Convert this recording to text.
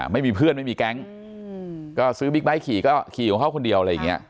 ไม่มีเพื่อนไม่มีแก๊งก็ซื้อบิ๊กไบท์ขี่ก็ขี่ของเขาคนเดียวอะไรอย่างนี้